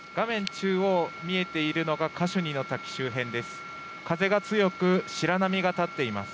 中央、見えているのがカシュニの滝周辺です。